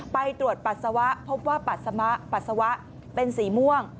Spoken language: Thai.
ไปตรวจปัสสาวะพบว่าปัสสาวะเป็นสีม่วง